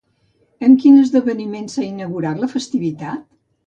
Amb quin esdeveniment s'ha inaugurat la festivitat?